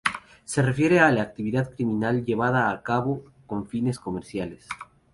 Se refiere a la actividad criminal llevada a cabo con fines comerciales.